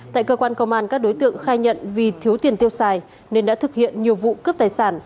tại cơ quan công an các đối tượng khai nhận vì thiếu tiền tiêu xài nên đã thực hiện nhiều vụ cướp tài sản